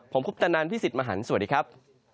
ผมคุปตะนันพี่สิทธิ์มหันฯสวัสดีครับ